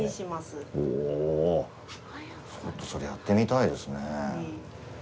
お、ちょっとそれ、やってみたいですね。